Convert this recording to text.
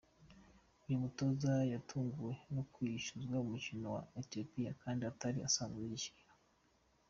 Uyu mutoza yatunguwe no kwishyuzwa ku mukino wa Ethiopia kandi atari asanzwe yishyura